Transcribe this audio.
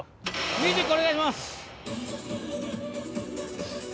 ミュージックお願いします。